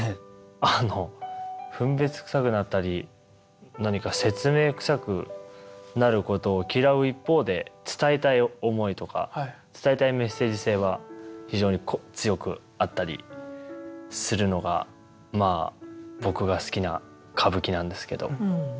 あの分別くさくなったり何か説明くさくなることを嫌う一方で伝えたい思いとか伝えたいメッセージ性は非常に強くあったりするのがまあ僕が好きな歌舞伎なんですけど。